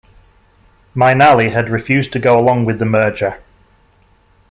Mainali had refused to go along with the merger.